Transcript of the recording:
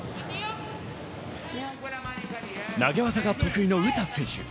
投げ技が得意の詩選手。